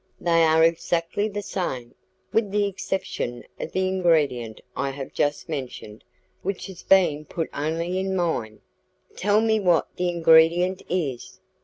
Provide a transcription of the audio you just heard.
"They are exactly the same, with the exception of the ingredient I have just mentioned, which has been put only in mine." "Tell me what the ingredient is."